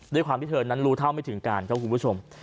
ด้วยความที่เธอนั้นรู้เท่าไม่ถึงการครับคุณผู้ชม